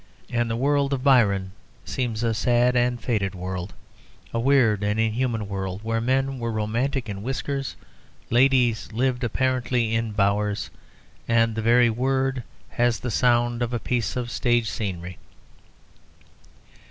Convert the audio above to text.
And the world of Byron seems a sad and faded world, a weird and inhuman world, where men were romantic in whiskers, ladies lived, apparently, in bowers, and the very word has the sound of a piece of stage scenery.